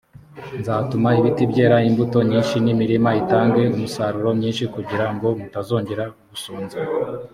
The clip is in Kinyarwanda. nzatuma ibiti byera imbuto nyinshi n’imirima itange umusaruro mwinshi kugira ngo mutazongera gusonza